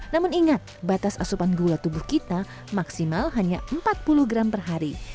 namun ingat batas asupan gula tubuh kita maksimal hanya empat puluh gram per hari